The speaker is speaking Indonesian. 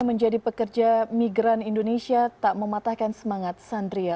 menjadi pekerja migran indonesia tak mematahkan semangat sandria